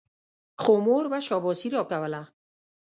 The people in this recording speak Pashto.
خو مور به شاباسي راکوله.